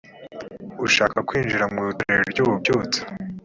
ushaka kwinjira mu itorero ry’ ububyutse